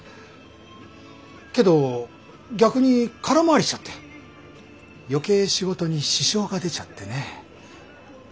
けど逆に空回りしちゃって余計仕事に支障が出ちゃってね。